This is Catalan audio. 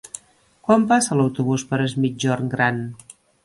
Quan passa l'autobús per Es Migjorn Gran?